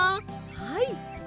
はい。